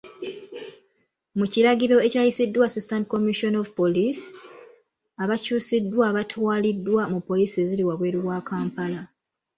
Mu kiragiro ekyayisiddwa Assistant Commissioner of Police, abakyusiddwa batwaliddwa mu Poliisi eziri wabweru wa Kampala.